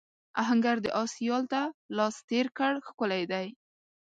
آهنګر د آس یال ته لاس تېر کړ ښکلی دی.